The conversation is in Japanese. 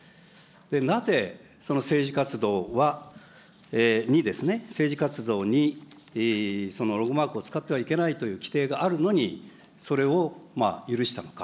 なぜその政治活動は、にですね、政治活動に、そのロゴマークを使ってはいけないという規定があるのに、それを許したのか。